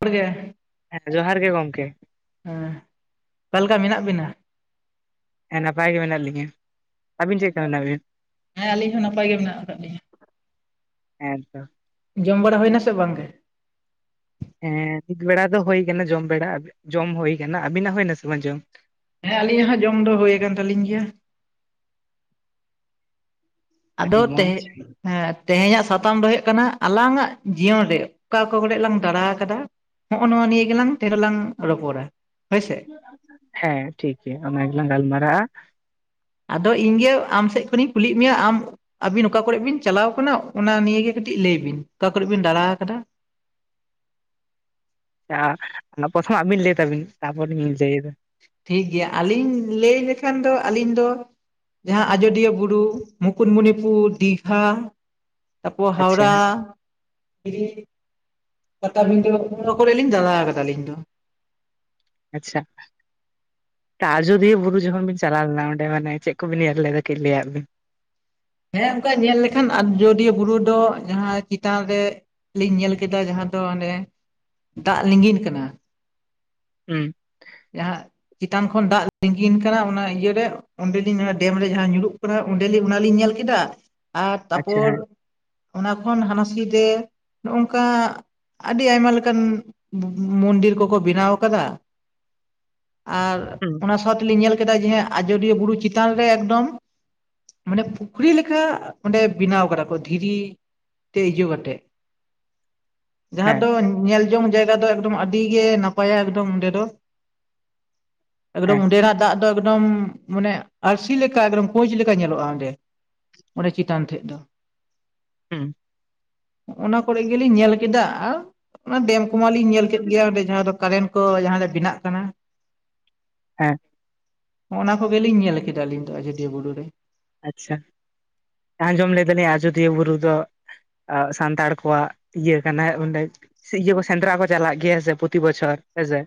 ᱜᱮ ᱦᱮᱸ ᱡᱚᱦᱟᱨ ᱜᱮ ᱜᱚᱝᱠᱮ ᱮᱸᱻ ᱚᱠᱟ ᱞᱮᱠᱟ ᱢᱮᱱᱟᱜ ᱵᱤᱱᱟ? ᱦᱮᱸ ᱱᱟᱯᱟᱭ ᱜᱮ ᱢᱮᱱᱟᱜ ᱞᱤᱧᱟᱹ ᱾ ᱟᱹᱵᱤᱱ ᱪᱮᱜ ᱠᱟ ᱢᱮᱱᱟᱜ ᱵᱤᱱᱟ? ᱦᱮᱸ ᱟᱹᱞᱤᱧ ᱦᱚᱸ ᱱᱟᱯᱟᱭ ᱜᱮ ᱢᱮᱱᱟᱜ ᱟᱠᱟᱫ ᱞᱤᱧᱟ ᱾ ᱦᱮᱸᱛᱚ ᱡᱚᱢ ᱵᱟᱲᱟ ᱦᱳᱭᱱᱟ ᱥᱮ ᱵᱟᱝᱜᱮ? ᱦᱮᱸ ᱢᱤᱫ ᱵᱮᱲᱟ ᱫᱚ ᱦᱩᱭ ᱠᱟᱱᱟ ᱡᱚᱢ ᱵᱮᱲᱟ ᱡᱚᱢ ᱦᱩᱭ ᱠᱟᱱᱟ ᱾ ᱟᱵᱤᱱᱟᱜ ᱦᱩᱭ ᱱᱟᱥᱮ ᱵᱟᱝ ᱡᱚᱢ? ᱦᱮᱸ ᱟᱹᱞᱤᱧᱟᱜ ᱦᱚᱸ ᱡᱚᱢ ᱫᱚ ᱦᱳᱭ ᱟᱠᱟᱱ ᱛᱟᱞᱤᱧ ᱜᱮᱭᱟ ᱾ ᱟᱹᱰᱤ ᱟᱫᱚ ᱛᱮᱦᱮ ᱢᱚᱸᱡᱽ ᱦᱮᱸ ᱛᱮᱦᱮᱧᱟᱜ ᱥᱟᱛᱟᱢ ᱫᱚ ᱦᱳᱭᱳᱜ ᱠᱟᱱᱟ ᱟᱞᱟᱝᱟᱜ ᱡᱤᱭᱚᱱ ᱨᱮ ᱚᱠᱟ ᱠᱚ ᱠᱚᱲᱮᱜ ᱞᱟᱝ ᱫᱟᱸᱲᱟ ᱟᱠᱟᱫᱟ ᱾ ᱦᱚᱜᱼᱚᱱᱟ ᱱᱤᱭᱟᱹ ᱜᱮᱞᱟᱝ ᱛᱮᱦᱮᱧ ᱫᱚ ᱞᱟᱝ ᱨᱚᱯᱚᱲᱟ ᱦᱳᱭ ᱥᱮ ᱾ ᱦᱮᱸ ᱴᱷᱤᱠ ᱜᱮᱭᱟ ᱚᱱᱟ ᱜᱮᱞᱟᱝ ᱜᱟᱞᱢᱟᱨᱟᱜᱼᱟ ᱾ ᱟᱫᱚ ᱤᱧᱜᱮ ᱟᱢ ᱥᱮᱫ ᱠᱷᱚᱱᱤᱧ ᱠᱩᱞᱤᱭᱮᱫ ᱢᱮᱭᱟ ᱟᱢ ᱟᱹᱵᱤᱱ ᱚᱠᱟ ᱠᱚᱨᱮᱫ ᱵᱤᱱ ᱪᱟᱞᱟᱣ ᱟᱠᱟᱱᱟ ᱚᱱᱟ ᱱᱤᱭᱮᱜᱮ ᱠᱟᱹᱴᱤᱡ ᱞᱟᱹᱭ ᱵᱤᱱ ᱚᱠᱟ ᱠᱚᱨ ᱵᱤᱱ ᱫᱟᱸᱲᱟ ᱟᱠᱟᱫᱟ? ᱟᱦᱟ ᱯᱨᱚᱛᱷᱚᱢ ᱟᱵᱤᱱ ᱞᱟᱹᱭ ᱛᱟᱵᱤᱱ ᱛᱟᱯᱚᱨᱤᱧ ᱞᱟᱹᱭᱮᱫᱟ ᱴᱷᱤᱠ ᱜᱮᱭᱟ ᱟᱹᱞᱤᱧ ᱞᱟᱹᱭ ᱞᱮᱠᱷᱟᱱ ᱫᱚ ᱟᱹᱞᱤᱧ ᱫᱚ ᱡᱟᱦᱟᱸ ᱟᱡᱳᱫᱤᱭᱟᱹ ᱵᱩᱨᱩ ᱢᱩᱠᱩᱴᱢᱩᱱᱤᱯᱩᱨ ᱫᱤᱜᱷᱟ ᱛᱟᱯᱚᱨ ᱟᱪᱪᱷᱟ ᱦᱟᱣᱲᱟ ᱫᱚ ᱚᱱᱟ ᱠᱚᱨᱮ ᱞᱤᱧ ᱫᱟᱸᱲᱟ ᱟᱠᱟᱫᱟ ᱟᱞᱤᱧ ᱫᱚ ᱟᱪᱪᱷᱟ ᱛᱚ ᱟᱡᱚᱫᱤᱭᱟᱹ ᱵᱩᱨᱩ ᱡᱚᱠᱷᱚᱱ ᱵᱤᱱ ᱪᱟᱞᱟᱣ ᱞᱮᱱᱟ ᱚᱸᱰᱮ ᱢᱟᱱᱮ ᱪᱮᱫ ᱠᱚᱵᱤᱱ ᱧᱮᱞ ᱞᱮᱫᱟ ᱞᱟᱹᱭᱟᱫ ᱵᱤᱱ ᱦᱮᱸ ᱚᱱᱠᱟ ᱧᱮᱞ ᱞᱮᱠᱷᱟᱱ ᱟᱡᱚᱫᱤᱭᱟᱹ ᱵᱩᱨᱩ ᱫᱚ ᱡᱟᱦᱟᱸ ᱪᱮᱛᱟᱱ ᱨᱮ ᱞᱤᱧ ᱧᱮᱞ ᱠᱮᱫᱟ ᱡᱟᱦᱟᱸ ᱫᱚ ᱚᱱᱮ ᱫᱟᱜ ᱞᱤᱸᱜᱤᱱ ᱠᱟᱱᱟ ᱦᱩᱸ ᱡᱟᱦᱟᱸ ᱪᱮᱛᱟᱱ ᱠᱷᱚᱱ ᱫᱟᱜ ᱞᱤᱝᱜᱤᱱ ᱠᱟᱱᱟ ᱚᱱᱟ ᱤᱭᱟᱹᱨᱮ ᱚᱸᱰᱮᱞᱤᱧ ᱰᱮᱢ ᱨᱮ ᱡᱟᱦᱟᱸ ᱧᱩᱨᱩᱜ ᱠᱟᱱᱟ ᱚᱸᱰᱮᱞᱤᱧ ᱚᱱᱟᱞᱤᱧ ᱧᱮᱞ ᱠᱮᱫᱟ ᱟᱨ ᱟᱪᱪᱷᱟ ᱛᱟᱯᱚᱨ ᱦᱮᱸ ᱚᱱᱟ ᱠᱷᱚᱱ ᱦᱟᱱᱟᱥᱤ ᱨᱮ ᱱᱚᱝᱠᱟ ᱟᱹᱰᱤ ᱟᱭᱢᱟ ᱞᱮᱠᱟᱱ ᱢᱚ ᱢᱚᱱᱫᱤᱨ ᱠᱚᱠᱚ ᱵᱮᱱᱟᱣ ᱟᱠᱟᱫᱟ ᱟᱨ ᱦᱩᱸ ᱚᱱᱟ ᱥᱟᱶᱛᱮᱞᱤᱧ ᱧᱮᱞ ᱠᱮᱫᱟ ᱡᱮ ᱟᱡᱚᱫᱤᱭᱟᱹ ᱵᱩᱨᱩ ᱪᱮᱛᱟᱱ ᱨᱮ ᱮᱠᱫᱚᱢ ᱢᱟᱱᱮ ᱯᱩᱠᱷᱨᱤ ᱞᱮᱠᱟ ᱚᱸᱰᱮ ᱵᱮᱱᱟᱣ ᱠᱟᱫᱟ ᱠᱚ ᱫᱷᱤᱨᱤ ᱛᱮᱡᱳ ᱠᱟᱛᱮᱫ ᱡᱟᱦᱟᱸ ᱦᱮᱸ ᱫᱚ ᱧᱮᱞᱡᱚᱝ ᱡᱟᱭᱜᱟ ᱫᱚ ᱮᱠᱫᱚᱢ ᱟᱹᱰᱤᱜᱮ ᱱᱟᱯᱟᱭᱟ ᱮᱠᱫᱚᱢ ᱚᱸᱰᱮ ᱫᱚ ᱮᱠᱫᱚᱢ ᱦᱮᱸ ᱚᱸᱰᱮᱱᱟᱜ ᱫᱟᱜ ᱫᱚ ᱮᱠᱫᱚᱢ ᱢᱟᱱᱮ ᱟᱹᱨᱥᱤ ᱞᱮᱠᱟ ᱠᱳᱪ ᱞᱮᱠᱟ ᱧᱮᱞᱚᱜᱼᱟ ᱚᱸᱰᱮ ᱚᱸᱰᱮ ᱪᱮᱛᱟᱱ ᱴᱷᱮᱡ ᱫᱚ ᱦᱩᱸ ᱚᱱᱟ ᱠᱚᱨᱮ ᱜᱮᱞᱤᱧ ᱧᱮᱞ ᱠᱮᱫᱟ ᱟᱨ ᱚᱱᱟ ᱰᱮᱢ ᱠᱚᱢᱟᱞᱤᱧ ᱧᱮᱞ ᱠᱮᱫ ᱜᱮ ᱚᱸᱰᱮ ᱡᱟᱦᱟᱸ ᱫᱚ ᱠᱟᱨᱮᱱᱴ ᱠᱚ ᱡᱟᱦᱟᱸᱨᱮ ᱵᱮᱱᱟᱜ ᱠᱟᱱᱟ ᱦᱮᱸ ᱚᱱᱟ ᱠᱚᱜᱮᱞᱤᱧ ᱧᱮᱞ ᱠᱮᱫᱟ ᱟᱹᱞᱤᱧ ᱫᱚ ᱟᱡᱚᱫᱤᱭᱟᱹ ᱵᱩᱨᱩ ᱨᱮ ᱟᱪᱪᱷᱟ ᱟᱸᱡᱚᱢ ᱞᱮᱫᱟᱞᱤᱧ ᱟᱡᱚᱫᱤᱭᱟᱹ ᱵᱩᱨᱩ ᱫᱚ ᱚ ᱥᱟᱱᱛᱟᱲ ᱠᱚᱣᱟᱜ ᱤᱭᱟᱹ ᱠᱟᱱᱟ ᱚᱸᱰᱮ ᱤᱭᱟᱹ ᱠᱚ ᱥᱮᱸᱫᱽᱨᱟ ᱠᱚ ᱪᱟᱞᱟᱜ ᱜᱮᱭᱟ ᱦᱮᱸ ᱥᱮ ᱯᱨᱚᱛᱤ ᱵᱚᱪᱷᱚᱨ ᱦᱮᱸ ᱥᱮ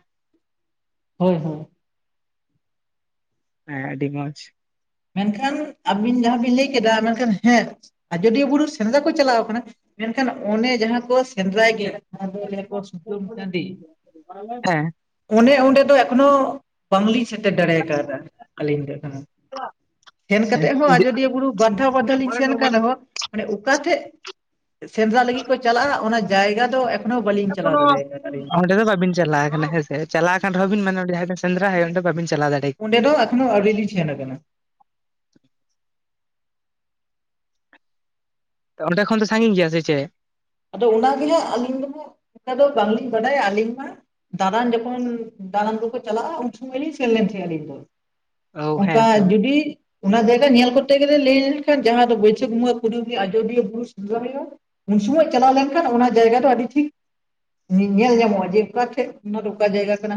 ᱦᱳᱭ ᱦᱳᱭ ᱦᱮᱸ ᱟᱹᱰᱤ ᱢᱚᱸᱪ ᱢᱮᱱᱠᱷᱟᱱ ᱟᱹᱵᱤᱱ ᱡᱟᱦᱟᱸ ᱵᱤᱱ ᱞᱟᱹᱭ ᱠᱮᱫᱟ ᱢᱮᱱᱠᱷᱟᱱ ᱦᱮᱸ ᱟᱡᱚᱫᱤᱭᱟᱹ ᱵᱩᱨᱩ ᱥᱮᱸᱫᱽᱨᱟ ᱠᱚ ᱪᱟᱞᱟᱣ ᱠᱟᱱᱟ, ᱢᱮᱱᱠᱷᱟᱱ ᱚᱱᱮ ᱡᱟᱦᱟᱸ ᱠᱚ ᱥᱮᱸᱫᱽᱨᱟᱭ ᱜᱮ ᱚᱱᱟ ᱫᱚ ᱞᱮᱭᱟᱠᱚ ᱥᱩᱛᱟᱢ ᱴᱟᱺᱰᱤ, ᱦᱮᱸ ᱚᱱᱮ ᱚᱸᱰᱮ ᱫᱚ ᱮᱠᱷᱚᱱᱚ ᱵᱟᱝᱞᱤᱧ ᱥᱮᱴᱮᱨ ᱫᱟᱲᱮ ᱟᱠᱟᱣᱫᱟ ᱟᱹᱞᱤᱧ ᱫᱚ ᱮᱠᱷᱚᱱᱚ᱾ ᱚ ᱥᱮᱱ ᱠᱟᱛᱮᱫ ᱦᱚᱸ ᱟᱡᱚᱫᱤᱭᱟᱹ ᱵᱩᱨᱩ ᱵᱟᱨᱫᱷᱟᱣ ᱵᱟᱨᱫᱷᱟᱣ ᱞᱤᱧ ᱥᱮᱱ ᱠᱟᱱ ᱨᱮᱦᱚᱸ ᱢᱟᱱᱮ ᱚᱠᱟ ᱴᱷᱮᱡ ᱥᱮᱸᱫᱽᱨᱟ ᱞᱟᱹᱜᱤᱫ ᱠᱚ ᱪᱟᱞᱟᱜᱼᱟ ᱚᱱᱟ ᱡᱟᱭᱜᱟ ᱫᱚ ᱮᱠᱷᱚᱱᱳ ᱵᱟᱹᱞᱤᱧ ᱪᱟᱞᱟᱣ ᱮᱠᱷᱚᱱᱳ, ᱫᱟᱲᱮ ᱠᱟᱫᱟ ᱟᱹᱞᱤᱧ ᱚᱸᱰᱮ ᱫᱚ ᱵᱟᱹᱵᱤᱱ ᱪᱟᱞᱟᱣ ᱠᱟᱱᱟ ᱦᱮᱸ ᱥᱮ ᱪᱟᱞᱟᱣ ᱠᱟᱱ ᱨᱮᱦᱚᱸ ᱵᱤᱱ ᱢᱟᱱᱮ ᱡᱟᱦᱟᱸ ᱴᱷᱮᱱ ᱥᱮᱫᱽᱨᱟ ᱦᱳᱭᱩᱜᱼᱟ ᱚᱸᱰᱮ ᱵᱟᱵᱤᱱ ᱪᱟᱞᱟ ᱫᱟᱲᱮ ᱚᱸᱰᱮ ᱫᱚ ᱮᱠᱷᱚᱱᱚ ᱟᱹᱣᱨᱤ ᱞᱤᱧ ᱥᱮᱱ ᱠᱟᱱᱟ᱾ ᱚᱸᱰᱮ ᱠᱷᱚᱱ ᱫᱚ ᱥᱟᱺᱜᱤᱧ ᱜᱮᱭᱟ ᱥᱮ ᱪᱮᱜ? ᱟᱫᱚ ᱚᱱᱟᱜᱮᱦᱟᱸᱜ ᱟᱹᱞᱤᱧ ᱫᱚᱦᱟᱸᱜ ᱚᱱᱟ ᱫᱚ ᱵᱟᱝᱞᱤᱧ ᱵᱟᱰᱟᱭᱟ, ᱟᱹᱞᱤᱧ ᱢᱟ ᱫᱟᱬᱟᱱ ᱡᱚᱠᱷᱚᱱ ᱫᱟᱬᱟᱱ ᱠᱚᱠᱚ ᱪᱟᱞᱟᱜᱼᱟ ᱩᱱ ᱥᱚᱢᱚᱭ ᱞᱤᱧ ᱥᱮᱱ ᱞᱮᱱ ᱛᱟᱦᱮᱸ ᱟᱹᱞᱤᱧ ᱫᱚ᱾ ᱚ ᱚᱝᱠᱟ ᱦᱮᱸ ᱛᱚ ᱡᱩᱫᱤ ᱚᱱᱟ ᱡᱟᱭᱜᱟ ᱧᱮᱞ ᱠᱚᱨᱛᱮ ᱜᱮᱞᱮ ᱞᱟᱹᱭ ᱞᱮᱱᱠᱷᱟᱱ ᱡᱟᱦᱟᱸ ᱫᱚ ᱵᱟᱹᱭᱥᱟᱹᱠᱷ ᱵᱚᱸᱜᱟ ᱠᱩᱱᱟᱹᱢᱤ ᱟᱡᱚᱫᱤᱭᱟᱹ ᱵᱩᱨᱩ ᱥᱮᱸᱫᱽᱨᱟ ᱦᱩᱭᱩᱜᱼᱟ, ᱩᱱ ᱥᱚᱢᱚᱭ ᱪᱟᱞᱟᱣ ᱞᱮᱱᱠᱷᱟᱱ ᱚᱱᱟ ᱡᱟᱭᱜᱟ ᱫᱚ ᱟᱹᱰᱤ ᱴᱷᱤᱠ ᱧᱮᱞ ᱧᱟᱢᱚᱜᱼᱟ ᱡᱮ ᱚᱠᱟ ᱴᱷᱮᱡ ᱚᱱᱟ ᱫᱚ ᱚᱠᱟ ᱡᱟᱭᱜᱟ ᱠᱟᱱᱟ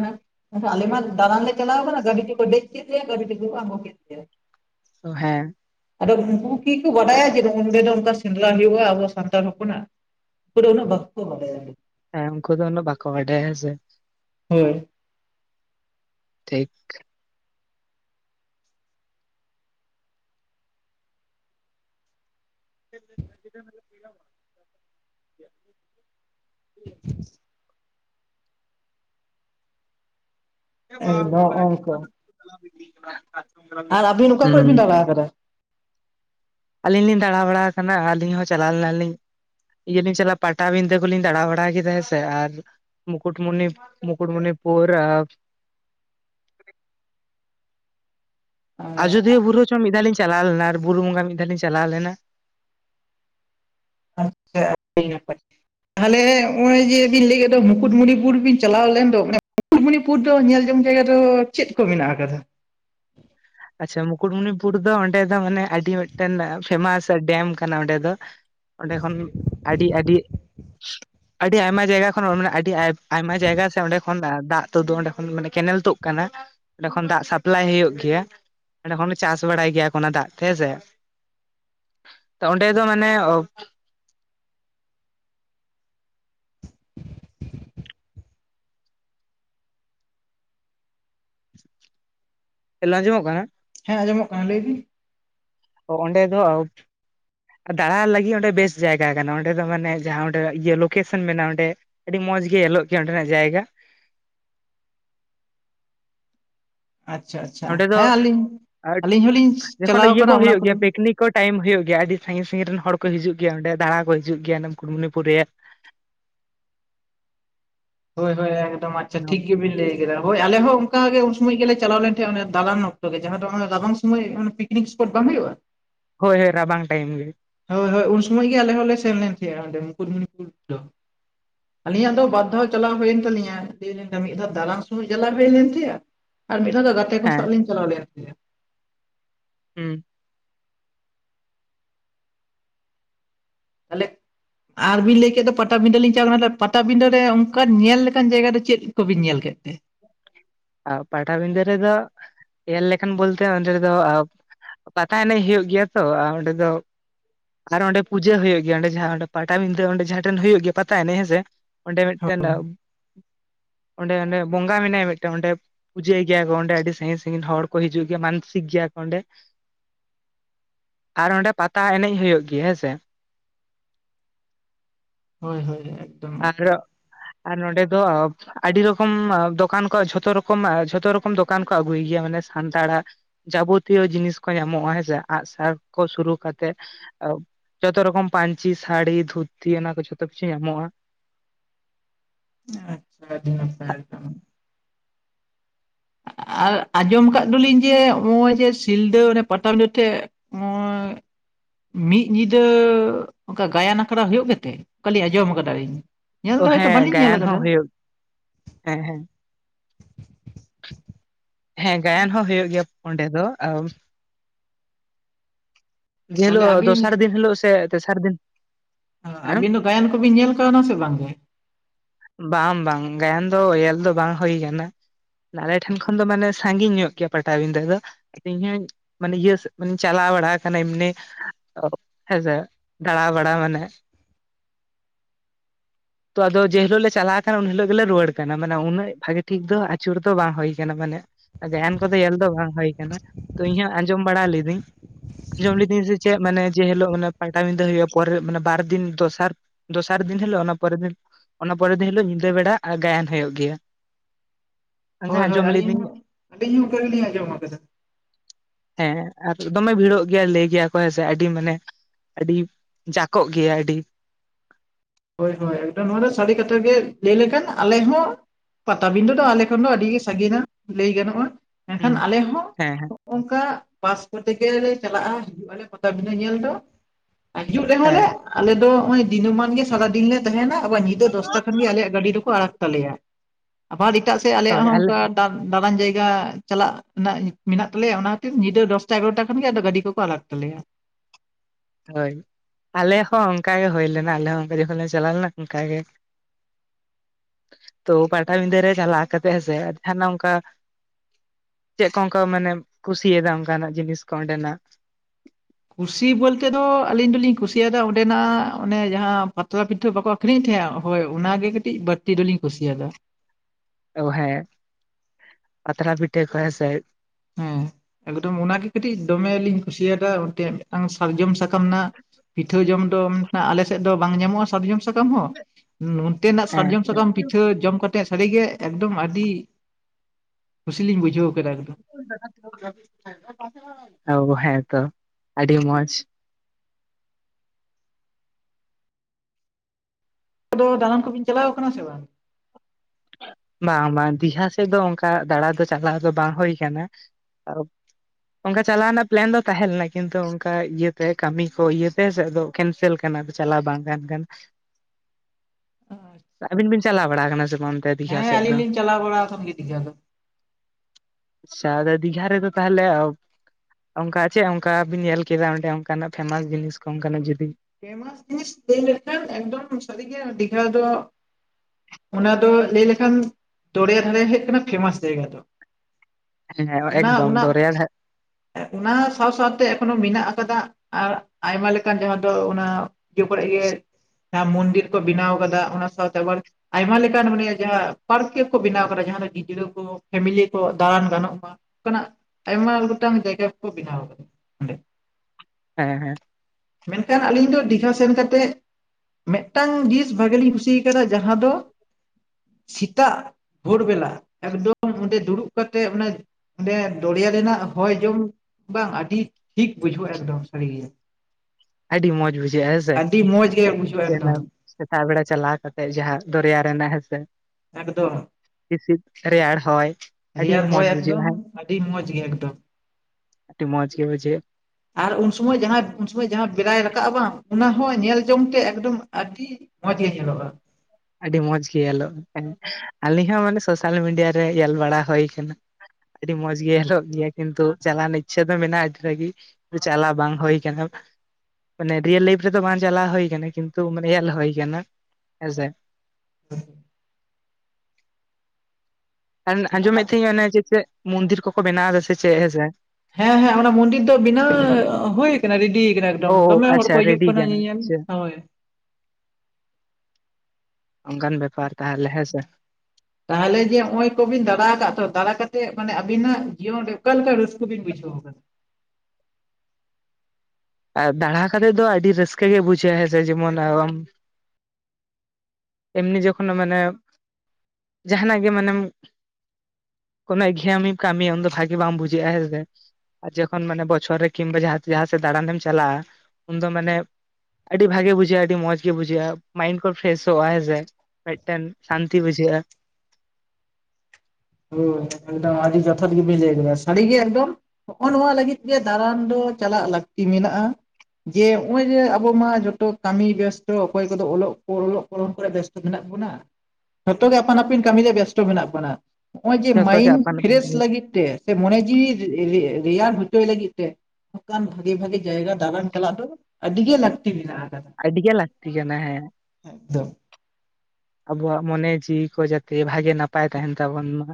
ᱮᱱᱦᱚᱸ ᱟᱞᱮ ᱢᱟ ᱫᱟᱬᱟᱱ ᱞᱮ ᱪᱟᱞᱟᱣ ᱠᱟᱱᱟ ᱜᱟᱹᱰᱤ ᱛᱮᱠᱚ ᱫᱮᱡ ᱠᱮᱫ ᱞᱮᱭᱟ ᱜᱟᱹᱰᱤ ᱛᱮᱠᱚ ᱟᱬᱜᱚ ᱠᱮᱫ ᱞᱮᱭᱟ᱾ ᱥᱚ ᱦᱮᱸ᱾ ᱟᱫᱚ ᱩᱝᱠᱩ ᱠᱤ ᱠᱩ ᱵᱟᱰᱟᱭᱟ ᱡᱮ ᱱᱚᱰᱮ ᱫᱚ ᱚᱝᱠᱟ ᱥᱮᱸᱫᱽᱨᱟ ᱦᱩᱭᱩᱜᱼᱟ ᱟᱵᱚ ᱥᱟᱱᱛᱟᱲ ᱦᱚᱯᱚᱱᱟᱜ? ᱩᱝᱠᱩ ᱩᱱᱟᱹᱜ ᱵᱟᱠᱚ ᱵᱟᱰᱟᱭᱟ᱾ ᱦᱮᱸ ᱩᱝᱠᱩ ᱫᱚ ᱩᱱᱟᱹᱜ ᱵᱟᱠᱚ ᱵᱟᱰᱟᱭᱟ ᱦᱮᱸᱥᱮ? ᱦᱳᱭ᱾ ᱴᱷᱤᱠ᱾ [inaudible] [inaudible] ᱱᱚᱜᱼᱚᱝᱠᱟ [inaudible] ᱦᱩᱸ᱾ ᱛᱟᱠ ᱨᱮ᱾ ᱟᱹᱞᱤᱧ ᱞᱤᱧ ᱫᱟᱬᱟ ᱵᱟᱲᱟ ᱠᱟᱱᱟ ᱟᱹᱞᱤᱧ ᱦᱚᱸ ᱪᱟᱞᱟᱣ ᱞᱮᱱᱟ ᱞᱤᱧ᱾ ᱤᱭᱟᱹ ᱞᱤᱧ ᱪᱟᱞᱟᱟ ᱯᱟᱴᱟᱵᱤᱸᱫᱟᱹ ᱠᱚᱞᱤᱧ ᱫᱟᱬᱟ ᱵᱟᱲᱟ ᱠᱤᱫᱟ ᱦᱮᱸᱥᱮ? ᱟᱨ ᱢᱩᱠᱩᱴ ᱢᱩᱱᱤ ᱢᱩᱠᱩᱴᱢᱩᱱᱤᱯᱩᱨ ᱟᱨ ᱟᱡᱚᱫᱤᱭᱟᱹ ᱵᱩᱨᱩ ᱪᱚᱝ ᱢᱤᱜᱫᱷᱟ ᱞᱤ ᱪᱟᱞᱟᱣ ᱞᱮᱱᱟ ᱟᱨ ᱵᱩᱨᱩ ᱵᱚᱸᱜᱟ ᱢᱤᱫ ᱫᱷᱟ ᱞᱤᱧ ᱪᱟᱞᱟᱣ ᱞᱮᱱᱟ᱾ ᱟᱪᱪᱷᱟ ᱟᱹᱰᱤ ᱱᱟᱯᱟᱭ᱾ ᱛᱟᱦᱚᱞᱮ ᱱᱚᱸᱜᱼᱚᱭ ᱡᱮ ᱵᱤᱱ ᱞᱟᱹᱭ ᱮᱫ ᱫᱚ ᱢᱩᱠᱩᱴᱢᱩᱱᱤᱯᱩᱨ ᱵᱤᱱ ᱪᱟᱞᱟᱣ ᱞᱮᱱ ᱫᱚ ᱢᱟᱱᱮ ᱢᱩᱠᱩᱴᱢᱩᱱᱤᱯᱩᱨ ᱫᱚ ᱧᱮᱞ ᱡᱚᱝ ᱡᱟᱭᱜᱟ ᱫᱚ ᱪᱮᱫ ᱠᱚ ᱢᱮᱱᱟᱜ ᱠᱟᱫᱟ? ᱟᱪᱪᱷᱟ ᱢᱩᱠᱩᱴᱢᱩᱱᱤᱯᱩᱨ ᱫᱚ ᱚᱸᱰᱮ ᱫᱚ ᱢᱟᱱᱮ ᱟᱹᱰᱤ ᱢᱤᱫᱴᱮᱱ ᱯᱷᱮᱢᱟᱥ ᱰᱮᱢ ᱠᱟᱱᱟ ᱚᱸᱰᱮ ᱫᱚ ᱚᱸᱰᱮ ᱠᱷᱚᱱ ᱟᱰᱤ ᱟᱰᱤ [inaudible] ᱟᱹᱰᱤ ᱟᱭᱢᱟ ᱡᱟᱭᱜᱟ ᱠᱷᱚᱱ ᱟᱹᱰᱤ ᱟᱭ ᱟᱭᱢᱟ ᱡᱟᱭᱜᱟ ᱥᱮ ᱚᱸᱰᱮ ᱠᱷᱚᱱ ᱫᱟᱜ ᱛᱩᱫᱩᱜ ᱚᱸᱰᱮ ᱠᱷᱚᱱ ᱢᱟᱱᱮ ᱠᱮᱱᱮᱞ ᱛᱩᱜ ᱠᱟᱱᱟ᱾ ᱚᱸᱰᱮ ᱠᱷᱚᱱ ᱫᱟᱜ ᱥᱟᱯᱞᱟᱭ ᱦᱩᱭᱩᱜ ᱜᱮᱭᱟᱢ, ᱚᱸᱰᱮ ᱠᱷᱚᱱ ᱞᱮ ᱪᱟᱥ ᱵᱟᱲᱟᱭ ᱜᱮᱭᱟ ᱠᱚ ᱚᱱᱟ ᱫᱟᱜ ᱛᱮ ᱦᱮᱸᱥᱮ ᱛᱚ ᱚᱸᱰᱮ ᱫᱚ ᱢᱟᱱᱮ ᱦᱮᱞᱳ ᱟᱸᱡᱚᱢᱚᱜ ᱠᱟᱱᱟ? ᱦᱮᱸ ᱟᱸᱡᱚᱢᱚᱜ ᱠᱟᱱᱟ ᱞᱟᱹᱭ ᱵᱤᱱ᱾ ᱚ ᱚᱸᱰᱮ ᱫᱚ [unintelligible] ᱫᱟᱲᱟᱱ ᱞᱟᱹᱜᱤᱫ ᱚᱸᱰᱮ ᱵᱮᱥ ᱡᱟᱭᱜᱟ ᱠᱟᱱᱟ ᱚᱸᱰᱮ ᱫᱚ ᱢᱟᱱᱮ ᱡᱟᱦᱟᱸ ᱚᱸᱰᱮ ᱤᱭᱟᱹ ᱞᱳᱠᱮᱥᱚᱱ ᱢᱮᱱᱟᱜᱼᱟ ᱚᱸᱰᱮ ᱟᱹᱰᱤ ᱢᱚᱸᱡᱽ ᱜᱮ ᱧᱮᱞᱚᱜ ᱜᱮᱭᱟ ᱚᱸᱰᱮᱱᱟᱜ ᱡᱟᱭᱜᱟ ᱟᱪᱪᱷᱟ ᱟᱪᱪᱷᱟ ᱚᱸᱰᱮ ᱫᱚ ᱦᱮᱸ ᱟᱹᱞᱤᱧ ᱟᱹᱞᱤᱧ ᱦᱚᱞᱤᱧ ᱡᱚᱠᱷᱚᱱ ᱪᱟᱞᱟᱣ ᱤᱭᱟᱹ ᱠᱚ ᱟᱠᱟᱱᱟ ᱚᱱᱟ ᱳᱩᱭᱳᱜ ᱠᱚᱨᱮ ᱜᱮᱭᱟ ᱯᱤᱠᱱᱤᱠ ᱠᱚ ᱴᱟᱭᱤᱢ ᱦᱩᱭᱩᱜ ᱜᱮᱭᱟ ᱟᱹᱰᱤ ᱥᱟᱺᱜᱤᱧ ᱥᱟᱺᱜᱤᱧ ᱨᱮᱱ ᱦᱚᱲ ᱠᱚ ᱦᱤᱡᱩᱜ ᱜᱮᱭᱟ ᱚᱸᱰᱮ ᱫᱟᱸᱲᱟ ᱠᱚ ᱦᱤᱡᱩᱜ ᱜᱮᱭᱟ ᱢᱩᱠᱩᱴᱢᱩᱱᱤᱯᱩᱨ ᱨᱮ ᱦᱳᱭ ᱦᱳᱭ ᱮᱠᱫᱚᱢ ᱟᱪᱪᱷᱟ ᱴᱷᱤᱠ ᱜᱮ ᱵᱤᱱ ᱞᱟᱹᱭ ᱠᱮᱫᱟ ᱦᱳᱭ ᱟᱞᱮ ᱦᱚᱸ ᱚᱱᱠᱟ ᱜᱮ ᱩᱱ ᱥᱚᱢᱚᱭ ᱜᱮᱞᱮ ᱪᱟᱞᱟᱣ ᱞᱮᱱ ᱴᱟᱦᱮᱸᱱ ᱚᱱᱟ ᱫᱟᱞᱟᱱ ᱚᱠᱛᱚ ᱜᱮ ᱡᱟᱦᱟᱸ ᱫᱚ ᱨᱟᱵᱟᱝ ᱥᱚᱢᱚᱭ ᱯᱤᱠ ᱥᱯᱚᱴ ᱵᱟᱝ ᱦᱩᱭᱩᱜᱼᱟ ᱦᱳᱭ ᱦᱳᱭ ᱨᱟᱵᱟᱝ ᱴᱟᱭᱤᱢ ᱜᱮ ᱦᱳᱭ ᱦᱳᱭ ᱩᱱ ᱥᱚᱢᱚᱭ ᱜᱮ ᱟᱞᱮ ᱦᱚᱸ ᱞᱮ ᱥᱮᱱ ᱞᱮᱱ ᱛᱟᱦᱮᱸᱼᱟ ᱚᱸᱰᱮ ᱢᱩᱠᱩᱴᱢᱩᱱᱤᱯᱩᱨ ᱫᱚ ᱟᱹᱞᱤᱧᱟᱜ ᱫᱚ ᱵᱟᱨ ᱫᱷᱟᱣ ᱪᱟᱞᱟᱣ ᱦᱩᱭᱮᱱ ᱛᱟᱞᱤᱧᱟ ᱫᱤᱭᱮ ᱮᱱᱠᱷᱟᱱ ᱢᱤᱫ ᱫᱷᱟᱣ ᱫᱟᱞᱟᱱ ᱥᱚᱢᱚᱭ ᱪᱟᱞᱟᱣ ᱦᱩᱭ ᱞᱮᱱ ᱛᱟᱸᱦᱮᱫᱼᱟ ᱟᱨ ᱢᱤᱫ ᱫᱷᱟᱣ ᱫᱚ ᱜᱟᱛᱮ ᱠᱚ ᱦᱮᱸ ᱥᱟᱸᱜ ᱞᱤᱧ ᱪᱟᱞᱟᱣ ᱞᱮᱱ ᱛᱟᱦᱮᱸᱜᱼᱟ ᱦᱩᱸ ᱟᱞᱮ ᱟᱨ ᱵᱤᱱ ᱞᱟᱹᱭ ᱠᱮᱫ ᱫᱚ ᱯᱟᱴᱟᱵᱤᱸᱰᱟᱹ ᱞᱤᱧ ᱪᱟᱣ ᱠᱟᱱᱟ ᱯᱟᱴᱟᱵᱤᱸᱰᱟᱹ ᱨᱮ ᱚᱱᱠᱟᱱ ᱧᱮᱞ ᱞᱮᱠᱟᱱ ᱡᱟᱭᱜᱟ ᱫᱚ ᱪᱮᱫ ᱠᱚᱵᱤᱱ ᱧᱮᱞ ᱠᱮᱫ ᱛᱮ ᱟ ᱯᱟᱴᱟᱵᱤᱸᱫᱟᱹ ᱨᱮᱫᱚ ᱧᱮᱞ ᱞᱮᱠᱷᱟᱱ ᱵᱳᱞᱛᱮ ᱚᱸᱰᱮ ᱫᱚ ᱯᱟᱛᱟ ᱮᱱᱮᱡ ᱦᱳᱭᱳᱜ ᱜᱮᱭᱟ ᱛᱚ ᱟ ᱚᱸᱰᱮ ᱫᱚ ᱟᱨ ᱚᱸᱰᱮ ᱯᱩᱡᱟᱹ ᱦᱳᱭᱳᱜ ᱜᱮᱭᱟ ᱚᱸᱰᱮ ᱡᱟᱦᱟᱸ ᱚᱸᱰᱮ ᱯᱟᱴᱟᱵᱤᱸᱫᱟᱹ ᱚᱸᱰᱮ ᱡᱟᱦᱟᱸ ᱴᱷᱮᱱ ᱦᱳᱭᱳᱜ ᱜᱮᱭᱟ ᱯᱟᱛᱟ ᱮᱱᱮᱡ ᱦᱮᱸ ᱥᱮ ᱚᱸᱰᱮ ᱢᱮᱫᱴᱮᱱ ᱚᱸᱰᱮ ᱚᱸᱰᱮ ᱵᱚᱸᱜᱟ ᱢᱮᱱᱟᱭᱟ ᱢᱮᱫ- ᱚᱸᱰᱮ ᱯᱩᱡᱟᱹᱭ ᱜᱮᱭᱟ ᱠᱚ ᱚᱸᱰᱮ ᱟᱹᱰᱤ ᱥᱟᱺᱜᱤᱧ ᱥᱟᱺᱜᱤᱧ ᱦᱚᱲ ᱠᱚ ᱦᱤᱡᱩᱜ ᱜᱮᱭᱟ ᱢᱟᱱᱥᱤᱠ ᱜᱮᱭᱟ ᱠᱚ ᱚᱸᱰᱮ ᱟᱨ ᱚᱸᱰᱮ ᱯᱟᱛᱟ ᱮᱱᱮᱡ ᱦᱳᱭᱳᱜ ᱜᱮᱭᱟ ᱦᱮᱸ ᱥᱮ ᱦᱳᱭ ᱦᱳᱭ ᱮᱠᱫᱚᱢ ᱟᱹᱰᱤ [unintelligible] ᱟᱨ ᱱᱚᱰᱮ ᱫᱚ ᱟᱹᱰᱤ ᱨᱚᱠᱚᱢ ᱫᱚᱠᱟᱱ ᱠᱚ ᱡᱷᱚᱛᱚ ᱨᱚᱠᱚᱢ ᱡᱷᱚᱛᱚ ᱨᱚᱠᱚᱢ ᱫᱚᱠᱟᱱ ᱠᱚ ᱟᱹᱜᱩᱭ ᱜᱮᱭᱟ ᱢᱟᱱᱮ ᱥᱟᱱᱛᱟᱲᱟᱜ ᱡᱟᱵᱚᱛᱤᱭᱚ ᱡᱤᱱᱤᱥ ᱠᱚ ᱧᱟᱢᱚᱜᱼᱟ ᱦᱮᱸᱥᱮ ᱟᱸᱜ ᱥᱟᱨ ᱠᱚ ᱥᱩᱨᱩ ᱠᱟᱛᱮᱫ ᱡᱚᱛᱚ ᱨᱚᱠᱚᱢ ᱯᱟᱹᱧᱪᱤ ᱥᱟᱹᱲᱤ ᱫᱷᱩᱛᱤ ᱚᱱᱟ ᱠᱚ ᱡᱷᱚᱛᱚ ᱠᱤᱪᱷᱩ ᱧᱟᱢᱚᱜᱼᱟ ᱟᱪᱪᱷᱟ ᱟᱹᱰᱤ ᱱᱟᱯᱟᱭ ᱠᱟᱱᱟ ᱟᱨ ᱟᱸᱡᱚᱢ ᱟᱠᱟᱫ ᱫᱚᱞᱤᱧ ᱡᱮ ᱱᱚᱜᱼᱚᱭ ᱡᱮ ᱥᱤᱞᱫᱟᱹ ᱯᱟᱴᱟᱵᱤᱰᱟᱹ ᱴᱷᱮᱱ ᱚᱸᱭᱻ ᱢᱤᱫ ᱧᱤᱫᱟᱹ ᱚᱱᱠᱟ ᱜᱟᱭᱟᱱ ᱟᱠᱷᱲᱟ ᱦᱳᱭᱳᱜ ᱜᱮᱛᱮ ᱚᱱᱠᱟᱞᱤᱧ ᱟᱸᱡᱚᱢ ᱟᱠᱟᱫᱟᱞᱤᱧ ᱧᱮᱞ ᱚ ᱫᱚ ᱦᱳᱭᱛᱳ ᱦᱮᱸ ᱵᱟᱹᱞᱤᱧ ᱧᱮᱞ ᱜᱟᱭᱟᱱ ᱦᱚᱸ ᱟᱠᱟᱫᱟ ᱦᱩᱭᱩᱜ ᱦᱮᱸ ᱦᱮᱸ ᱦᱮᱸ ᱜᱟᱭᱟᱱ ᱦᱚᱸ ᱦᱳᱭᱳᱜ ᱜᱮᱭᱟ ᱚᱸᱰᱮ ᱫᱚ ᱡᱮ ᱛᱟᱦᱚᱞᱮ ᱦᱤᱞᱳᱜ ᱟᱹᱵᱤᱱ ᱫᱚᱥᱟᱨ ᱫᱤᱱ ᱦᱤᱞᱳᱜ ᱥᱮ ᱛᱮᱥᱟᱨ ᱫᱤᱱ ᱚ ᱦᱮᱸ ᱟᱹᱵᱤᱱ ᱫᱚ ᱜᱟᱭᱟᱱ ᱠᱚᱵᱤᱱ ᱧᱮᱞ ᱠᱟᱣᱱᱟ ᱥᱮ ᱵᱟᱝᱜᱮ ᱵᱟᱝ ᱵᱟᱝ ᱜᱟᱭᱟᱱ ᱫᱚ ᱧᱮᱞ ᱫᱚ ᱵᱟᱝ ᱦᱩᱭ ᱟᱠᱟᱱᱟ ᱟᱞᱮ ᱴᱷᱮᱱ ᱠᱷᱚᱱ ᱫᱚ ᱢᱟᱱᱮ ᱥᱟᱺᱜᱤᱧ ᱧᱚᱜ ᱜᱮᱭᱟ ᱯᱟᱴᱟᱵᱤᱫᱟᱹ ᱫᱚ ᱤᱧ ᱦᱚᱸᱧ ᱢᱟᱱᱮ ᱤᱭᱟᱹ ᱪᱟᱞᱟᱣ ᱵᱟᱲᱟ ᱢᱟᱱᱮ ᱮᱢᱱᱤ ᱦᱮᱸᱥᱮ ᱫᱟᱲᱟ ᱵᱟᱲᱟ ᱢᱟᱱᱮ [inaudible] ᱛᱚ ᱟᱫᱚ ᱡᱮ ᱦᱤᱞᱳᱜ ᱞᱮ ᱪᱟᱞᱟᱣ ᱠᱟᱱᱟ ᱩᱱ ᱦᱤᱞᱳᱜ ᱜᱮᱞᱮ ᱨᱩᱣᱟᱹᱲ ᱠᱟᱱᱟ ᱢᱟᱱᱮ ᱩᱱᱟᱹᱜ ᱵᱷᱟᱜᱮ ᱴᱷᱤᱠ ᱫᱚ ᱟᱹᱪᱩᱨ ᱫᱚ ᱵᱟᱝ ᱦᱩᱭ ᱠᱟᱱᱟ ᱢᱟᱱᱮ ᱜᱟᱭᱟᱱ ᱠᱚᱫᱚ ᱧᱮᱞ ᱫᱚ ᱵᱟᱝ ᱦᱩᱭ ᱟᱠᱟᱱᱟ ᱛᱚ ᱤᱧ ᱦᱚᱸ ᱟᱸᱡᱚᱢ ᱵᱟᱲᱟ ᱞᱤᱫᱟᱹᱧ ᱡᱚᱢ ᱞᱮᱫᱤᱧ ᱥᱮ ᱥᱮ ᱪᱮᱫ ᱢᱟᱱᱮ ᱡᱮ ᱦᱤᱞᱳᱜ ᱢᱮ ᱯᱟᱞᱴᱟᱵᱤᱫᱟᱹ ᱦᱳᱭᱳᱜᱼᱟ ᱯᱚᱨᱮ ᱢᱟᱱᱮ ᱵᱟᱨ ᱫᱤᱱ ᱫᱚᱥᱟᱨ ᱫᱚᱥᱟᱨ ᱫᱤᱱ ᱦᱤᱞᱳᱜ ᱚᱱᱟ ᱯᱚᱨᱮᱨ ᱫᱤᱱ ᱚᱱᱟ ᱯᱚᱨᱮᱨ ᱫᱤᱱ ᱦᱤᱞᱳᱜ ᱧᱤᱫᱟᱹ ᱵᱮᱲᱟ ᱜᱟᱭᱟᱱ ᱦᱳᱭᱳᱜ ᱜᱮᱭᱟ ᱵᱟᱝᱠᱷᱟᱱ ᱦᱳᱭ ᱦᱳᱭ ᱟᱸᱡᱚᱢ ᱟᱹᱞᱤᱧ ᱞᱤᱫᱟᱹᱧ ᱦᱚᱸ ᱟᱹᱞᱤᱧ ᱚᱱᱠᱟ ᱜᱮᱞᱤᱧ ᱟᱸᱡᱚᱢᱟ ᱟᱠᱟᱫᱟ ᱦᱮᱸ ᱟᱨ ᱫᱚᱢᱮ ᱵᱷᱤᱲᱚᱜ ᱜᱮᱭᱟ ᱞᱟᱹᱭ ᱜᱮᱭᱟ ᱠᱚ ᱦᱮᱸᱥᱮ, ᱟᱹᱰᱤ ᱢᱟᱱᱮ ᱟᱹᱰᱤ ᱡᱟᱠᱚᱜ ᱜᱮᱭᱟ ᱟᱹᱰᱤ ᱾ ᱦᱚᱭ ᱦᱚᱭ, ᱮᱠᱫᱚᱢ ᱱᱚᱣᱟ ᱫᱚ ᱥᱟᱹᱨᱤ ᱠᱟᱛᱷᱟ ᱜᱮ ᱞᱟᱹᱭ ᱞᱮᱠᱷᱟᱱ ᱟᱞᱮ ᱦᱚᱸ ᱯᱟᱛᱟ ᱵᱤᱸᱫᱷᱟᱹ ᱫᱚ ᱟᱞᱮ ᱠᱷᱚᱱ ᱫᱚ ᱟᱹᱰᱤᱜᱮ ᱥᱟᱺᱜᱤᱧᱟ ᱞᱟᱹᱭ ᱜᱟᱱᱚᱜᱼᱟ ᱢᱮᱱᱠᱷᱟᱱ ᱦᱮᱸ ᱟᱞᱮ ᱦᱚᱸ ᱦᱮᱸ ᱚᱱᱠᱟ ᱯᱟᱥ ᱠᱚᱛᱮ ᱜᱮᱞᱮ ᱪᱟᱞᱟᱜᱼᱟ ᱦᱤᱡᱩᱜ ᱟᱞᱮ ᱯᱟᱛᱟ ᱵᱤᱸᱫᱷᱟᱹ ᱧᱮᱞ ᱫᱚ ᱾ ᱦᱤᱡᱩᱜ ᱨᱮᱦᱚᱸᱞᱮ ᱦᱮᱸ ᱟᱞᱮ ᱫᱚ ᱚᱸᱜᱼᱚᱭ ᱫᱤᱱᱟᱹᱢᱟᱱ ᱜᱮ ᱥᱟᱨᱟᱫᱤᱱ ᱞᱮ ᱛᱟᱦᱮᱸᱱᱟ᱾ ᱟᱵᱚᱣᱟᱜ ᱧᱤᱫᱟᱹ ᱫᱚᱥᱴᱟ ᱠᱷᱟᱱ ᱜᱮ ᱟᱞᱮᱭᱟᱜ ᱜᱟᱹᱰᱤ ᱫᱚᱠᱚ ᱟᱲᱟᱠ ᱛᱟᱞᱮᱭᱟ, ᱵᱟᱫ ᱮᱴᱟᱜ ᱥᱮᱫ ᱟᱞᱮᱭᱟᱜ ᱦᱳᱭ ᱦᱚᱸ ᱟᱞᱮ ᱚᱱᱠᱟ ᱛᱟᱠ ᱫᱟᱲᱟᱱ ᱡᱟᱭᱜᱟ ᱪᱟᱞᱟᱜ ᱨᱮᱱᱟᱜ ᱢᱮᱱᱟᱜ ᱛᱟᱞᱮᱭᱟ ᱚᱱᱟ ᱠᱷᱟᱹᱛᱤᱨ ᱧᱤᱫᱟᱹ ᱫᱚᱥᱴᱟ ᱮᱜᱟᱨᱚᱴᱟ ᱠᱷᱚᱱ ᱜᱮ ᱟᱫᱚ ᱜᱟᱹᱰᱤ ᱠᱚᱠᱚ ᱟᱞᱟᱜ ᱛᱟᱞᱮᱭᱟ ᱾ ᱦᱚᱭ ᱟᱞᱮ ᱦᱚᱸ ᱚᱝᱠᱟ ᱜᱮ ᱦᱩᱭ ᱞᱮᱱᱟ ᱟᱞᱮ ᱦᱚᱸ ᱚᱱᱠᱟ ᱡᱚᱠᱷᱚᱱ ᱞᱮ ᱪᱟᱞᱟᱣ ᱞᱮᱱᱟ ᱚᱱᱠᱟᱜ ᱜᱮ [inaudible] ᱛᱚ ᱯᱟᱴᱟᱵᱤᱫᱟᱹ ᱨᱮ ᱪᱟᱞᱟᱣ ᱠᱟᱛᱮ ᱦᱮᱥᱮ ᱡᱟᱦᱟᱱᱟᱜ ᱚᱱᱠᱟ ᱪᱮᱫ ᱠᱚ ᱚᱱᱠᱟ ᱢᱟᱱᱮ ᱠᱩᱥᱤᱭᱟᱫᱟ ᱚᱱᱠᱟᱱᱟᱜ ᱡᱤᱱᱤᱥ ᱠᱚ ᱚᱸᱰᱮᱱᱟᱜ ᱠᱩᱥᱤ ᱵᱚᱞ ᱛᱮᱫᱚ ᱟᱹᱞᱤᱧ ᱫᱚᱞᱤᱧ ᱠᱩᱥᱤᱭᱟᱫᱟ ᱚᱸᱰᱮᱱᱟᱜ ᱚᱱᱮ ᱡᱟᱦᱟᱸ ᱯᱟᱛᱲᱟ ᱯᱤᱴᱷᱟᱹ ᱵᱟᱠᱚ ᱠᱷᱨᱤᱸᱧ ᱛᱟᱦᱮᱸᱫ ᱦᱚᱭ ᱚᱱᱟᱜᱮ ᱠᱟᱹᱴᱤᱡ ᱵᱟᱹᱲᱛᱤ ᱫᱚᱞᱤᱧ ᱠᱩᱥᱤᱭᱟᱫᱟ ᱾ ᱚ ᱦᱮᱸ ᱯᱟᱛᱲᱟ ᱯᱤᱴᱷᱟᱹ ᱠᱚ ᱦᱮᱸ ᱥᱮ ᱾ ᱦᱮᱸ ᱮᱠᱫᱚᱢ ᱚᱱᱟᱜᱮ ᱠᱟᱹᱴᱤᱡ ᱫᱚᱢᱮᱞᱤᱧ ᱠᱩᱥᱤᱭᱟᱫᱟ ᱚᱱᱛᱮ ᱢᱤᱫᱴᱟᱝ ᱥᱟᱨᱡᱚᱢ ᱥᱟᱠᱟᱢ ᱱᱟᱜ ᱯᱤᱴᱷᱟᱹ ᱡᱚᱢ ᱫᱚ ᱟᱞᱮᱥᱮᱫ ᱫᱚ ᱵᱟᱝ ᱧᱟᱢᱚᱜᱼᱟ ᱥᱟᱨᱡᱚᱢ ᱥᱟᱠᱟᱢ ᱦᱚᱸ ᱾ ᱦᱩᱸ ᱚᱱᱛᱮᱱᱟᱜ ᱦᱮᱸ ᱥᱟᱨᱡᱚᱢ ᱥᱟᱠᱟᱢ ᱯᱤᱴᱷᱟᱹ ᱡᱚᱢ ᱠᱟᱛ ᱛᱮ ᱥᱟᱹᱨᱤᱜᱮ ᱮᱠᱫᱚᱢ ᱟᱹᱰᱤ ᱠᱩᱥᱤᱞᱤᱧ ᱵᱩᱡᱷᱟᱹᱣ ᱠᱮᱫᱟ ᱮᱠᱫᱚᱢ ᱾ [unintelligible] ᱚ ᱦᱮᱸ ᱛᱚ ᱟᱹᱰᱤ ᱢᱚᱡᱽ ᱾ ᱟᱫᱚ ᱫᱟᱬᱟᱱ ᱠᱚᱵᱤᱱ ᱪᱟᱞᱟᱣ ᱣᱟᱠᱟᱱᱟ ᱥᱮ ᱵᱟᱝ? ᱵᱟᱝ ᱵᱟᱝ ᱫᱤᱜᱷᱟ ᱥᱮᱫ ᱫᱚ ᱚᱱᱠᱟ ᱫᱟᱬᱟ ᱫᱚ ᱪᱟᱞᱟᱣ ᱫᱚ ᱵᱟᱝ ᱦᱩᱭ ᱟᱠᱟᱱᱟ ᱾ ᱚᱱᱠᱟ ᱪᱟᱞᱟᱣ ᱨᱮᱱᱟᱜ ᱯᱮᱞᱮᱱ ᱫᱚ ᱛᱟᱦᱮᱸ ᱞᱮᱱᱟ ᱠᱤᱱᱛᱩ ᱚᱱᱠᱟ ᱤᱭᱟᱹᱛᱮ ᱠᱟᱹᱢᱤ ᱠᱚ ᱤᱭᱟᱹᱛᱮ ᱦᱮ ᱥᱮ ᱠᱮᱱᱥᱮᱞ ᱠᱟᱱᱟ ᱪᱟᱞᱟᱣ ᱵᱟᱝ ᱠᱟᱱ ᱠᱟᱱᱟ ᱾ [inaudible] ᱟᱹᱵᱤᱱ ᱵᱤᱱ ᱪᱟᱞᱟᱣ ᱵᱟᱲᱟ ᱠᱟᱱᱟ ᱥᱮ ᱵᱟᱝ? ᱚᱱᱛᱮ ᱫᱤᱜᱷᱟ ᱦᱮᱸ ᱥᱮᱫ ᱟᱹᱞᱤᱧ ᱫᱚ ᱞᱤᱧ ᱪᱟᱞᱟᱣ ᱵᱟᱲᱟ ᱟᱠᱟᱱ ᱜᱮ ᱫᱤᱜᱷᱟ ᱫᱚ ᱾ ᱟᱪᱪᱷᱟ ᱟᱫᱚ ᱫᱤᱜᱷᱟ ᱨᱮ ᱫᱚ ᱛᱟᱦᱞᱮ ᱾ ᱚᱱᱠᱟ ᱪᱮᱜ ᱚᱱᱠᱟ ᱵᱤᱱ ᱧᱮᱞ ᱠᱮᱫᱟ ᱚᱸᱰᱮ ᱚᱱᱠᱟᱱᱟᱜ ᱯᱷᱮᱢᱟᱥ ᱡᱤᱱᱤᱥ ᱠᱚ ᱚᱱᱠᱟᱱᱟᱜ ᱡᱩᱫᱤ? ᱯᱮᱢᱟᱥ ᱡᱤᱱᱤᱥ ᱞᱟᱹᱭ ᱞᱮᱠᱷᱟᱱ ᱮᱠᱫᱚᱢ ᱥᱟᱹᱨᱤ ᱜᱮ ᱫᱤᱜᱷᱟ ᱫᱚᱼᱼ ᱚᱱᱟ ᱫᱚ ᱞᱟᱹᱭ ᱞᱮᱠᱷᱟᱱ ᱫᱚᱨᱭᱟ ᱫᱷᱟᱨᱮ ᱦᱮᱜ ᱠᱟᱱᱟ ᱯᱷᱮᱢᱟᱥ ᱡᱟᱭᱜᱟ ᱫᱚ᱾ ᱦᱮᱸ ᱚᱱᱟ ᱮᱠᱫᱚᱢ ᱚᱱᱟ ᱫᱚᱨᱭᱟ ᱫᱷᱟᱨᱮ ᱾ ᱮᱜ ᱚᱱᱟ ᱥᱟᱶ ᱥᱟᱶᱛᱮ ᱮᱠᱷᱚᱱᱚ ᱢᱮᱱᱟᱜ ᱟᱠᱟᱫᱟ ᱟᱨ ᱟᱭᱢᱟ ᱞᱮᱠᱟᱱ ᱡᱟᱦᱟᱸᱼᱼ ᱫᱚ ᱚᱱᱟ ᱤᱭᱟᱹ ᱠᱚᱨᱮᱜ ᱜᱮ ᱡᱟᱦᱟᱸ ᱢᱚᱱᱫᱤᱨ ᱠᱚ ᱵᱮᱱᱟᱣᱟ ᱠᱟᱫᱟ ᱚᱱᱟ ᱥᱟᱶᱛᱮ ᱟᱵᱟᱨᱼᱼ ᱟᱭᱢᱟ ᱞᱮᱠᱟᱱ ᱢᱟᱱᱮ ᱡᱟᱦᱟᱸ ᱯᱟᱨᱠᱮ ᱠᱚ ᱵᱮᱱᱟᱣ ᱠᱟᱫᱟ ᱡᱟᱦᱟᱸ ᱫᱚ ᱜᱤᱫᱽᱨᱟᱹ ᱠᱚ ᱯᱷᱮᱢᱮᱞᱤ ᱠᱚ ᱫᱟᱬᱟᱱ ᱜᱟᱱᱚᱜ ᱢᱟ᱾ ᱚᱱᱠᱟᱱᱟᱜ ᱟᱭᱢᱟ ᱜᱚᱴᱟᱝ ᱡᱟᱭᱜᱟ ᱠᱚ ᱵᱮᱱᱟᱣ ᱠᱟᱫᱟ ᱚᱸᱰᱮ᱾ ᱦᱮᱸ ᱦᱮᱸ᱾ ᱢᱮᱱᱠᱷᱟᱱ ᱟᱞᱤᱧ ᱫᱚ ᱰᱤᱜᱷᱟ ᱥᱮᱱ ᱠᱟᱛᱮᱜᱼᱼ ᱢᱮᱫᱴᱟᱝ ᱰᱤᱥ ᱵᱷᱟᱜᱮ ᱞᱤᱧ ᱠᱩᱥᱤ ᱭᱟᱠᱟᱫᱟ ᱡᱟᱦᱟᱸ ᱫᱚᱼᱼ ᱥᱮᱛᱟᱜ ᱵᱷᱳᱨ ᱵᱮᱞᱟ ᱮᱠᱫᱚᱢ ᱚᱸᱰᱮ ᱫᱩᱲᱩᱵ ᱠᱟᱛᱮᱜ ᱚᱱᱮᱼᱼ ᱚᱸᱰᱮ ᱫᱚᱨᱭᱟ ᱨᱮᱱᱟᱜ ᱦᱚᱭ ᱡᱚᱢ ᱵᱟᱝ ᱟᱰᱤ ᱴᱷᱤᱠ ᱵᱩᱡᱷᱟᱹᱜ-ᱟ ᱮᱠᱫᱚᱢ ᱥᱟᱹᱨᱤ ᱜᱮ᱾ ᱟᱹᱰᱤ ᱢᱚᱡᱽ ᱵᱩᱡᱷᱟᱹᱜ-ᱟ ᱦᱮᱸ ᱥᱮ, ᱟᱹᱰᱤ ᱢᱚᱸᱡᱽ ᱜᱮ ᱵᱩᱡᱷᱟᱹᱜᱼᱟ ᱥᱮ ᱮᱠᱫᱚᱢ ᱱᱟᱜᱼᱼ ᱥᱮᱛᱟᱜ ᱵᱮᱲᱟ ᱪᱟᱞᱟᱣ ᱠᱟᱛᱮᱜ ᱡᱟᱦᱟᱸ ᱫᱚᱨᱭᱟ ᱨᱮᱱᱟᱜ ᱦᱮᱸ ᱥᱮᱼᱼ ᱮᱠᱫᱚᱢ᱾ ᱦᱤᱥᱤᱫ ᱨᱮᱭᱟᱲ ᱦᱚᱭ ᱟᱹᱰᱤ ᱨᱮᱭᱟᱲ ᱦᱚᱭ ᱢᱚᱡᱽ ᱮᱠᱫᱚᱢ ᱵᱩᱡᱷᱟᱹᱜ-ᱟ ᱦᱮᱸ᱾ ᱟᱹᱰᱤ ᱢᱚᱸᱡᱽ ᱜᱮ ᱮᱠᱫᱚᱢ ᱟᱹᱴᱤ ᱢᱚᱡᱽ ᱜᱮ ᱵᱩᱡᱷᱟᱹᱜ᱾ ᱟᱨ ᱩᱱ ᱥᱚᱢᱚᱭ ᱡᱟᱦᱟᱸ ᱩᱱ ᱥᱚᱢᱚᱭ ᱡᱟᱦᱟᱸ ᱵᱮᱨᱟᱭ ᱨᱟᱠᱟᱵ ᱵᱟᱝ ᱚᱱᱟ ᱦᱚᱸ ᱧᱮᱞ ᱡᱚᱝ ᱛᱮ ᱮᱠᱫᱚᱢ ᱟᱰᱤᱼᱼ ᱢᱚᱡᱽ ᱜᱮ ᱧᱮᱞᱚᱜ-ᱟ᱾ ᱟᱹᱰᱤ ᱢᱚᱸᱡᱽ ᱜᱮ ᱧᱮᱞᱚᱜ ᱦᱮᱸ ᱟᱹᱞᱤᱧ ᱦᱚᱸ ᱢᱟᱱᱮ ᱥᱳᱥᱟᱞ ᱢᱤᱰᱤᱭᱟ ᱨᱮ ᱧᱮᱞ ᱵᱟᱲᱟ ᱦᱚᱭ ᱠᱟᱱᱟ᱾ ᱟᱹᱰᱤ ᱢᱚᱸᱡᱽ ᱜᱮ ᱧᱮᱞᱚᱜ ᱜᱮᱭᱟ ᱠᱤᱱᱛᱩ ᱪᱟᱞᱟᱣ ᱨᱮᱱᱟᱜ ᱤᱪᱪᱷᱟᱹ ᱫᱚ ᱢᱮᱱᱟᱜ-ᱟ ᱟᱹᱰᱤ ᱴᱟᱜ ᱜᱤ᱾ ᱛᱩ ᱪᱟᱞᱟᱣ ᱵᱟᱝ ᱦᱚᱭ ᱠᱟᱱᱟ᱾ ᱢᱟᱱᱮ ᱨᱤᱭᱮᱞ ᱞᱟᱹᱭᱤᱯᱷ ᱨᱮᱛᱚ ᱵᱟᱝ ᱪᱟᱞᱟᱣ ᱦᱩᱭ ᱠᱟᱱᱟ ᱠᱤᱱᱛᱩ ᱢᱟᱱᱮ ᱧᱮᱞ ‌ᱦᱩᱭ ᱠᱟᱱᱟ ᱦᱮ ᱸᱥᱮ᱾ ᱦᱮᱸ᱾ ᱟᱱ ᱟᱸᱡᱚᱢᱮᱜ ᱛᱮᱦᱮᱸᱜ ᱤᱧ ᱚᱱᱮ ᱡᱮ ᱪᱮᱜ ᱢᱚᱱᱫᱤᱨ ᱠᱚ ᱠᱚ ᱵᱮᱱᱟᱣ ᱫᱟ ᱥᱮ ᱪᱮᱜ ᱦᱮᱸ ᱥᱮ᱾ ᱦᱮᱸ ᱦᱮᱸ ᱚᱱᱟ ᱢᱚᱱᱫᱤᱨ ᱫᱚ ᱵᱤᱱᱟᱣ ᱦᱩᱭ ᱠᱟᱱᱟ ᱨᱤᱰᱤᱭ ᱠᱟᱱᱟ᱾ ᱫᱚᱢ ᱚ ᱫᱚᱢᱮ ᱦᱚᱲ ᱟᱪᱪᱷᱟ ᱠᱚ ᱦᱤᱡᱩᱜ ᱨᱮᱰᱤ ᱠᱟᱱᱟ ᱧᱮᱧᱮᱞ ᱟᱪᱪᱷᱟ ᱦᱚᱭ᱾ ᱚᱱᱠᱟᱱ ᱵᱮᱯᱟᱨ ᱛᱚᱦᱞᱮ ᱦᱮᱸ ᱥᱮ᱾ ᱛᱟᱦᱚᱞᱮ ᱡᱮ ᱦᱚᱸᱜ-ᱚᱸᱭ ᱠᱚ ᱵᱤᱱ ᱫᱟᱬᱟ ᱟᱠᱟᱜ-ᱟ ᱛᱚ ᱫᱟᱬᱟ ᱠᱟᱛᱮᱜ ᱢᱟᱱᱮ ᱟᱵᱤᱱᱟᱜ ᱡᱤᱭᱚᱱ ᱨᱮ ᱚᱠᱟ ᱞᱮᱠᱟ ᱨᱟᱹᱥᱠᱟᱹ ᱵᱤᱱ ᱵᱩᱡᱷᱟᱹᱣ ᱠᱟᱫᱟ? ᱟᱨ ᱫᱟᱬᱟ ᱠᱟᱛᱮᱜ ᱫᱚ ᱟᱰᱤ ᱨᱟᱹᱥᱠᱟᱹ ᱜᱮ ᱵᱩᱡᱷᱟᱹᱜ-ᱟ ᱦᱮᱸᱥᱮ ᱡᱮᱢᱚᱱ ᱟᱢᱼᱼ ᱮᱢᱱᱤ ᱡᱮᱠᱷᱚᱱᱚ ᱢᱟᱱᱮ ᱡᱟᱦᱟᱸ ᱱᱟᱜ ᱜᱮ ᱢᱟᱱᱮᱢᱼᱼ ᱠᱚᱱᱚ ᱜᱷᱤᱭᱟᱢᱤ ᱠᱟᱢᱤᱭ ᱩᱱ ᱫᱚ ᱵᱷᱟᱜᱮ ᱵᱟᱢ ᱵᱩᱡᱷᱟᱹᱜ- ᱟ ᱦᱮᱸ ᱥᱮ᱾ ᱟᱨ ᱡᱚᱠᱷᱚᱱ ᱢᱟᱱᱮ ᱵᱚᱪᱷᱚᱨ ᱨᱮ ᱠᱤᱝ ᱵᱟ ᱡᱟᱦᱟᱸ ᱥᱮᱜ ᱡᱟᱦᱟᱸ ᱥᱮᱫ ᱫᱟᱬᱟ ᱱᱮᱢ ᱪᱟᱞᱟᱜ-ᱟ ᱩᱱ ᱫᱚ ᱢᱟᱱᱮᱼᱼ ᱟᱹᱰᱤ ᱵᱷᱟᱜᱮ ᱵᱩᱡᱷᱟᱹᱜ-ᱟ ᱟᱹᱰᱤ ᱢᱚᱸᱡᱽ ᱜᱮ ᱵᱩᱡᱷᱟᱹᱜ-ᱟ ᱢᱟᱭᱤᱱᱰ ᱠᱚ ᱯᱷᱨᱮᱥᱼᱼ ᱥᱚᱜ- ᱟᱭ ᱦᱮᱸ ᱥᱮ ᱢᱤᱫᱴᱮᱱ ᱥᱟᱱᱛᱤ ᱵᱩᱡᱷᱟᱹᱜ-ᱟ᱾ ᱦᱩᱢ ᱮᱠᱫᱚᱢ ᱟᱰᱤ ᱡᱚᱛᱷᱟᱛ ᱜᱮ ᱵᱤᱱ ᱞᱟᱹᱭ‌ ᱠᱟᱫᱟ ᱥᱟᱲᱤ ᱜᱮ ᱮᱠᱫᱚᱢ᱾ ᱦᱚᱸᱜ-ᱚ ᱱᱚᱣᱟ ᱞᱟᱹᱜᱤᱫ ᱜᱮ ᱫᱟᱬᱟᱱ ᱫᱚ ᱪᱟᱞᱟᱜ ᱞᱟᱠᱛᱤ ᱢᱮᱱᱟᱜ-ᱟ᱾ ᱡᱮ ᱱᱚᱜ-ᱚᱸᱭ ᱡᱮ ᱟᱵᱚ ᱢᱟ ᱡᱚᱛᱚ ᱠᱟᱹᱢᱤ ᱵᱮᱥᱛᱚ ᱚᱠᱚᱭ ᱠᱚ ᱫᱚ ᱚᱞᱚᱜ ᱚᱞᱚᱜ ᱯᱚᱲᱦᱚᱱ ᱠᱚ ᱨᱮ ᱵᱮᱥᱼᱼ ᱢᱮᱱᱟᱜ ᱵᱚᱱᱟ ᱡᱷᱚᱛᱚ ᱜᱮ ᱟᱯᱟᱱ ᱟᱹᱯᱤᱱ ᱠᱟᱹᱢᱤ ᱨᱮ ᱵᱮᱥᱛᱚ ᱢᱮᱱᱟᱜ ᱵᱚᱱᱟ᱾ ᱦᱚᱸᱜ-ᱚᱭ ᱡᱮ ᱡᱷᱚᱛᱚ ᱜᱮ ᱢᱟᱭᱤᱱᱰ ᱟᱯᱟᱱ ᱯᱷᱨᱮᱥ ᱟᱹᱯᱤᱱ ᱞᱟᱹᱜᱤᱫ ᱛᱮ ᱥᱮ ᱢᱚᱱᱮ ᱡᱤᱣᱤ ᱨᱮᱜ ᱮ ᱨᱮ ᱨᱮᱭᱟᱲ ᱦᱚᱪᱚᱭ ᱞᱟᱹᱜᱤᱫ ᱛᱮ᱾ ᱚᱝᱠᱟᱱ ᱵᱷᱟᱜᱤ ᱵᱷᱟᱜᱤ ᱡᱟᱭᱜᱟ ᱫᱟᱬᱟᱱ ᱪᱟᱞᱟᱜ ᱫᱚ ᱟᱹᱰᱤ ᱜᱮ ᱞᱟᱠᱛᱤ ᱢᱮᱱᱟᱜ-ᱟ᱾ ᱟᱰᱤ ᱜᱮ ᱞᱟᱠᱛᱤ ᱠᱟᱱᱟ ᱦᱮᱸ᱾ ᱮᱠᱫᱚᱢ ᱟᱵᱚᱣᱟᱜ ᱢᱚᱱᱮ ᱡᱤᱣᱤ ᱠᱚ ᱡᱟᱛᱮ ᱵᱷᱟᱜᱮ ᱱᱟᱯᱟᱭ ᱛᱟᱦᱮᱱ ᱛᱟᱵᱚᱱ ᱢᱟ᱾